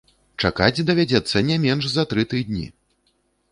Чакаць давядзецца не менш за тры тыдні!